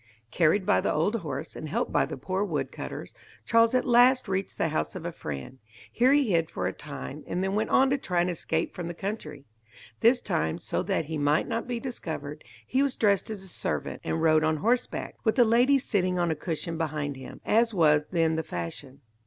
Carried by the old horse, and helped by the poor wood cutters, Charles at last reached the house of a friend. Here he hid for a time, and then went on to try and escape from the country. This time, so that he might not be discovered, he was dressed as a servant, and rode on horseback, with a lady sitting on a cushion behind him, as was then the fashion.